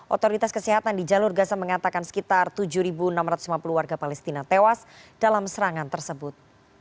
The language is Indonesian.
otoritas kesehatan di jalur gaza mengatakan sekitar tujuh enam ratus lima puluh warga palestina tewas dalam serangan tersebut